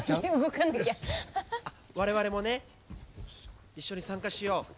我々もね一緒に参加しよう。